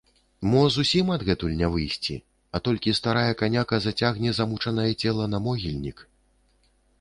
Мо зусім адгэтуль не выйсці, а толькі старая каняка зацягне замучанае цела на могільнік?